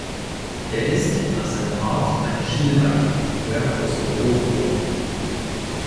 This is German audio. Er ist nach seiner Art eine Stieleiche (Quercus robur).